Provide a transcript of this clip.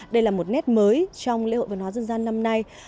đây là một nét mới trong lễ hội văn hóa dân gian năm nay